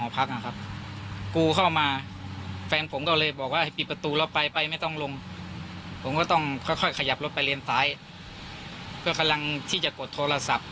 ผมก็ต้องค่อยขยับรถไปเลนสายเพื่อกำลังที่จะกดโทรศัพท์